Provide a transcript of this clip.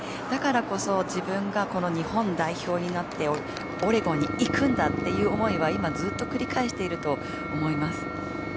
だからこそ自分がこの日本代表になってオレゴンに行くんだっていう思いは今、ずっと繰り返していると思います。